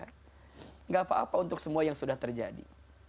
tidak apa apa untuk semua yang sudah terjadi